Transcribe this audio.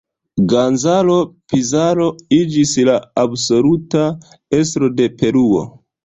Gonzalo Pizarro iĝis la absoluta estro de Peruo.